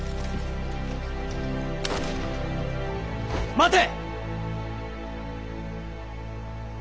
待て！